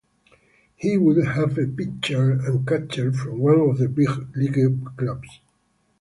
He will have a pitcher and catcher from one of the big league clubs.